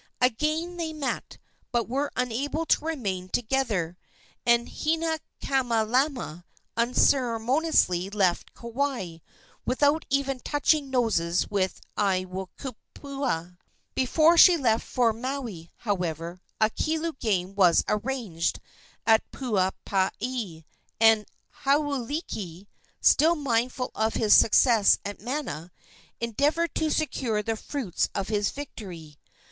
Again they met, but were unable to remain together, and Hinaikamalama unceremoniously left Kauai, without even touching noses with Aiwohikupua. Before she left for Maui, however, a kilu game was arranged at Puuapapai, and Hauailiki, still mindful of his success at Mana, endeavored to secure the fruits of his victory.